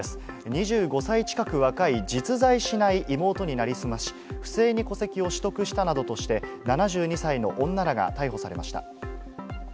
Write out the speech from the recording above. ２５歳近く若い実在しない妹に成り済まし、不正に戸籍を取得したなどとして、７２歳の女らが逮捕されました。